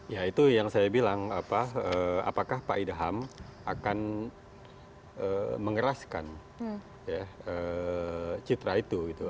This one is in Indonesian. ya itu yang saya bilang apakah pak idaham akan mengeraskan citra itu